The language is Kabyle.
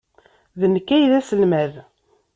D nekk ay d aselmad.